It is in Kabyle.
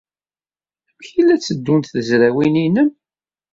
Amek ay la tteddunt tezrawin-nnem?